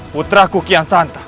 putraku kian santang